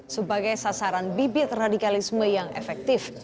sebagai sasaran bibit radikalisme yang efektif